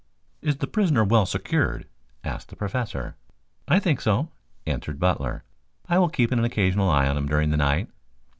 "Is the prisoner well secured?" asked the Professor. "I think so," answered Butler. "I will keep an occasional eye on him during the night."